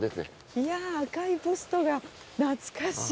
いやー赤いポストが懐かしい。